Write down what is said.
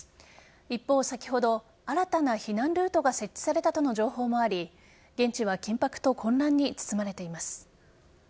一方、先ほど新たな避難ルートが設置されたとの情報もあり現地は、緊迫と混乱に包まれています。